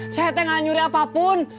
saya tak mau nyuri apapun